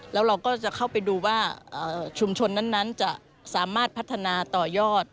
แล้วเราก็จะเข้าไปดูว่าชุมชนนั้นจะสามารถพัฒนาต่อยอด